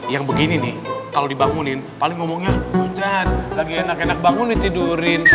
yang begini nih kalau dibangunin paling ngomongnya hujan lagi enak enak bangun ditidurin